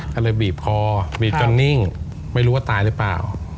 เขาจะบีบก็นิ่งไม่รู้ว่าตายหรือเปล่า